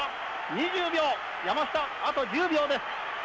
２０秒、山下、あと１０秒です。